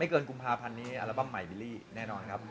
เกินกุมภาพันธ์นี้อัลบั้มใหม่บิลลี่แน่นอนครับ